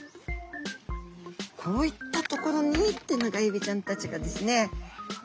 こういったところにテナガエビちゃんたちがですね